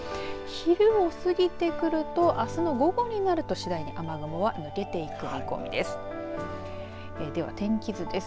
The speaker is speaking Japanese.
昼を過ぎてくるとあすの午後になると次第に雨雲は抜けていく見込みです。